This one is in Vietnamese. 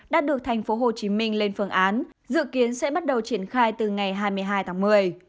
đã được thành phố hồ chí minh lên phương án dự kiến sẽ bắt đầu triển khai từ ngày hai mươi hai tháng một mươi